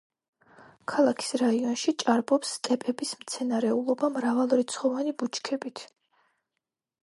ქალაქის რაიონში ჭარბობს სტეპების მცენარეულობა მრავალრიცხოვანი ბუჩქებით.